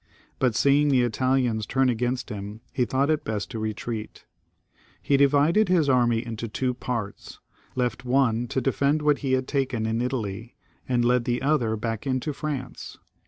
But seeing the Italians turn against him, he thought it best to retreat. He divided his army into two parts, left one to defend what he had taken in Italy, and led the other back into France.